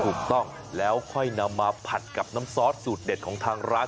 ถูกต้องแล้วค่อยนำมาผัดกับน้ำซอสสูตรเด็ดของทางร้าน